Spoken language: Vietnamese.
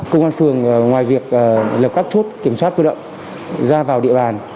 công an phường ngoài việc lập các chốt kiểm soát cơ động ra vào địa bàn